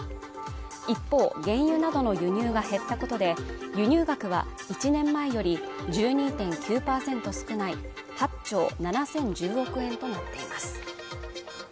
一方、原油などの輸入が減ったことで、輸入額は１年前より１２．９％少ない８兆７０１０億円となっています。